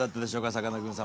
さかなクン様。